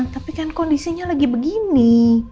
tapi kan kondisinya lagi begini